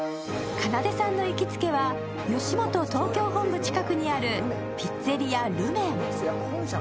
かなでさんの行きつけは、吉本東京本部近くにあるピッツェリアルメン。